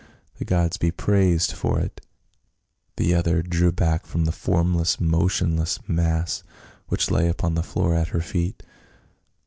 The gods be praised for it !" The other drew back from the formless motionless mass which lay upon the floor at her feet.